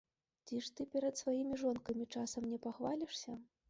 Ці ж ты перад сваімі жонкамі часам не пахвалішся?